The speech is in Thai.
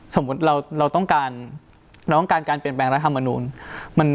สมมุติเราต้องการเปลี่ยนแปลงรัฐธรรมนุน